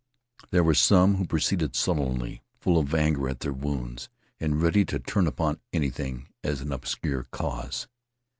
There were some who proceeded sullenly, full of anger at their wounds, and ready to turn upon anything as an obscure cause.